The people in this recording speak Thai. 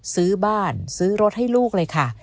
ซื้อบ้านซื้อรถให้ลูกเลยค่ะ